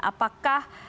apakah lebih nyaman